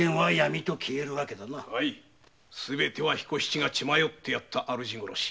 すべては彦七が血迷ってやった主殺し。